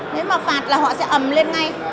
nếu mà phạt là họ sẽ ầm lên ngay